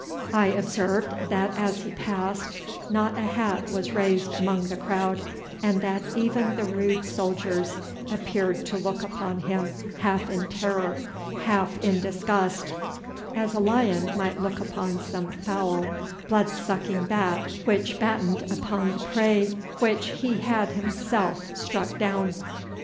I observed that as he passed not a hat was raised among the crowd, and that even the rude soldiers appeared to look upon him half in terror, half in disgust, as a lion might look upon some foul, blood sucking bat which battened upon the prey which he had himself struck down.